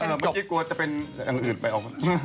เมื่อกี้กลัวจะเป็นอย่างอื่นไปออกมา